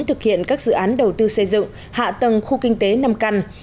thực hiện các dự án đầu tư xây dựng hạ tầng khu kinh tế năm căn